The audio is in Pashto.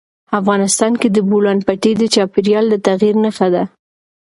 افغانستان کې د بولان پټي د چاپېریال د تغیر نښه ده.